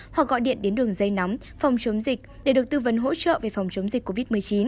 hoặc gọi điện đến đường dây nóng phòng chống dịch để được tư vấn hỗ trợ về phòng chống dịch covid một mươi chín